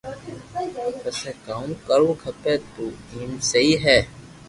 پسي ڪاو ُ ڪروُ کپي تو ايم سھي ھي